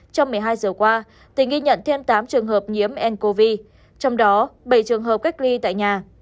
trong một mươi hai giờ qua tỉnh ghi nhận thêm tám trường hợp nhiễm ncov trong đó bảy trường hợp cách ly tại nhà